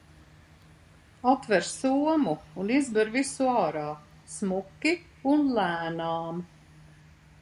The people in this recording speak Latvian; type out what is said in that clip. Atver somu un izber visu ārā, smuki un lēnām.